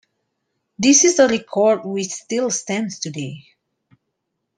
This is a record which still stands today.